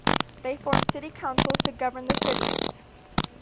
They formed city councils to govern the cities.